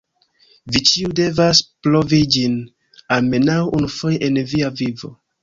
Vi ĉiuj devas provi ĝin, almenaŭ unufoje en via vivo.